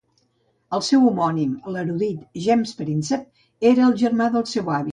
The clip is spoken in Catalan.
El seu homònim, l'erudit James Prinsep, era el germà del seu avi.